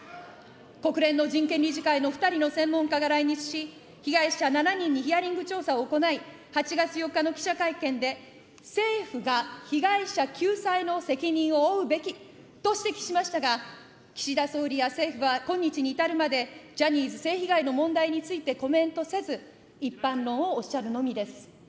国連の人権理事会の２人の専門家が来日し、被害者７人にヒアリング調査を行い、８月４日の記者会見で、政府が被害者救済の責任を負うべきと指摘しましたが、岸田総理や政府は今日に至るまで、ジャニーズ性被害の問題についてコメントせず、一般論をおっしゃるのみです。